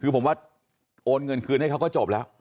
คือผมว่าโอนเงินคืนให้เขาก็จบแล้ว